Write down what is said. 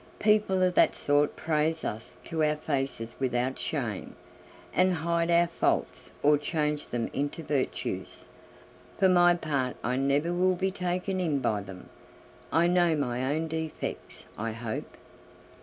People of that sort praise us to our faces without shame, and hide our faults or change them into virtues. For my part I never will be taken in by them. I know my own defects, I hope."